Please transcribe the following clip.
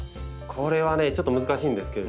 これはねちょっと難しいんですけれども。